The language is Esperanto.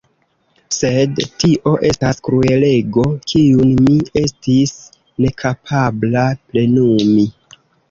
Sed tio estas kruelego, kiun mi estis nekapabla plenumi.